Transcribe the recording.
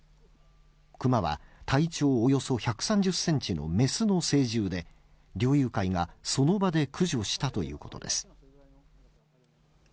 クマは体長およそ１３０センチの雌の成獣で、猟友会がその場で駆除したということです。